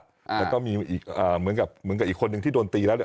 แล้วก็มีอีกเหมือนกับเหมือนกับอีกคนนึงที่โดนตีแล้วเนี่ย